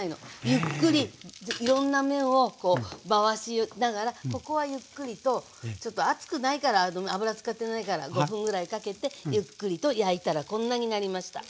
ゆっくりいろんな面をこう回しながらここはゆっくりとちょっと熱くないから油使ってないから５分ぐらいかけてゆっくりと焼いたらこんなになりました。